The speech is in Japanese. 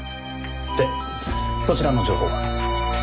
でそちらの情報は？